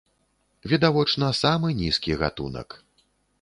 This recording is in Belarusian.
Відавочна, самы нізкі гатунак.